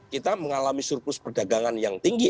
kita mengalami surplus perdagangan yang tinggi